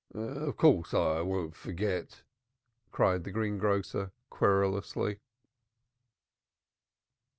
"Of course I won't forget," cried the greengrocer querulously.